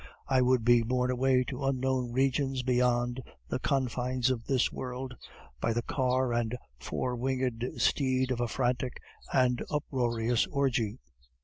I would be borne away to unknown regions beyond the confines of this world, by the car and four winged steed of a frantic and uproarious orgy.